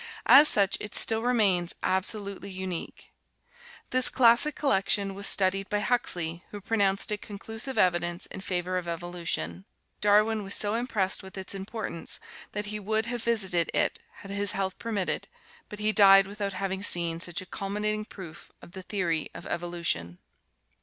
As such it still remains absolutely unique. This classic collection was studied by Huxley, who pronounced it conclusive evidence in favor of evolution. Darwin was so impressed with its importance that he would have visited it had his health permitted, but he died with out having seen such a culminating proof of the theory of evolu tion.